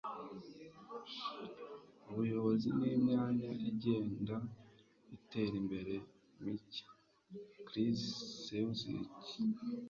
ubuyobozi ni imyanya igenda itera imbere. - mike krzyzewski